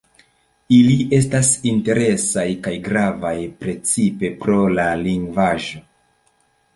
Ili estas interesaj kaj gravaj precipe pro la lingvaĵo.